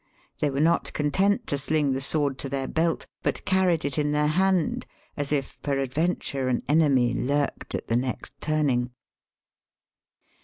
They were not content to sling the sword to their belt, but carried it in their hand as if peradventure an enemy lurked at the next turning.